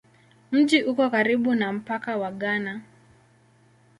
Mji uko karibu na mpaka wa Ghana.